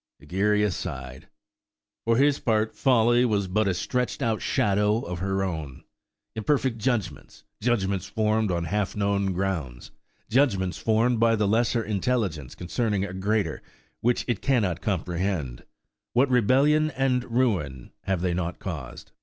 Egeria sighed; for his pert folly was but a stretched out shadow of her own. Imperfect judgments; judgments formed on half known grounds; judgments formed by the lesser intelligence concerning a greater which it cannot comprehend–what rebellion and ruin have they not caused!